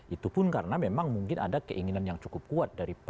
itu pun karena memang mungkin ada keinginan yang cukup kuat dari pan